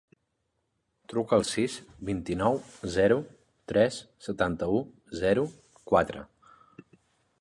Truca al sis, vint-i-nou, zero, tres, setanta-u, zero, quatre.